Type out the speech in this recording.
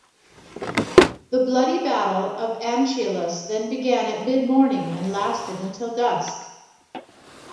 The bloody battle of Anchialus then began at mid-morning, and lasted until dusk.